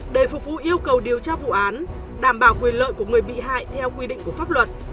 để phục vụ yêu cầu điều tra vụ án đảm bảo quyền lợi của người bị hại theo quy định của pháp luật